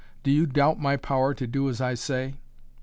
Do you doubt my power to do as I say?"